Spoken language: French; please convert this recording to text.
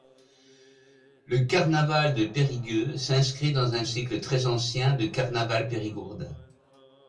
Le carnaval de Périgueux s’inscrit dans un cycle très ancien de carnavals périgordins.